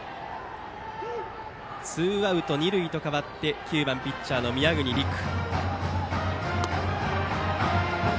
ツーアウト、二塁と変わり打席は９番ピッチャーの宮國凌空。